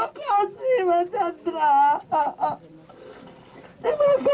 terima kasih bu chandra